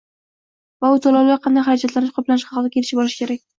va u to‘lovlar qanday xarajatlarni qoplashi haqida kelishib olish kerak.